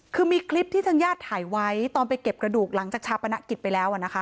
คือมีคลิปที่ทางญาติถ่ายไว้ตอนไปเก็บกระดูกหลังจากชาปนกิจไปแล้วนะคะ